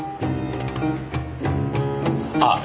あっ！